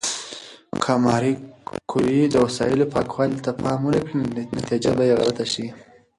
که ماري کوري د وسایلو پاکوالي ته پام ونه کړي، نتیجه به غلطه شي.